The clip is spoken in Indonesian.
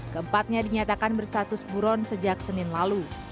keempatnya dinyatakan bersatus buron sejak senin lalu